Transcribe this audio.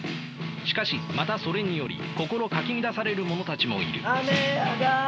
しかしまたそれにより心かき乱される者たちもいる。